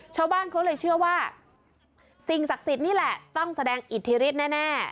ชาวบ้านเขาเลยเชื่อว่าสิ่งศักดิ์สิทธิ์นี่แหละต้องแสดงอิทธิฤทธิแน่